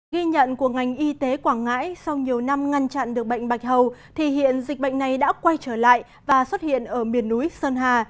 ghi nhận của ngành y tế quảng ngãi sau nhiều năm ngăn chặn được bệnh bạch hầu thì hiện dịch bệnh này đã quay trở lại và xuất hiện ở miền núi sơn hà